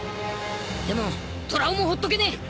でもトラ男もほっとけねえ！